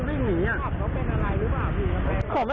เขาเป็นอะไรหรือเปล่าพี่